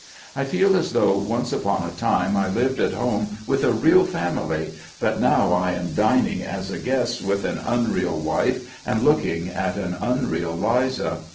I feel as though once upon a time I lived at home with a real family, but now I am dining as a guest with an unreal wife and looking at an unreal Liza.